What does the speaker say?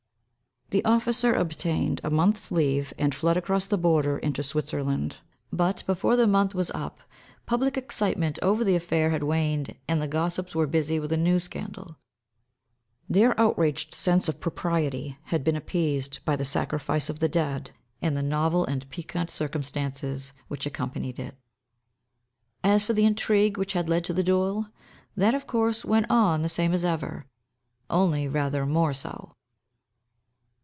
The officer obtained a month's leave and fled across the border into Switzerland, but, before the month was up, public excitement over the affair had waned, and the gossips were busy with a new scandal. Their outraged sense of propriety had been appeased by the sacrifice of the dead, and the novel and piquant circumstances which accompanied it. As for the intrigue which had led to the duel, that, of course, went on the same as ever, only rather more so.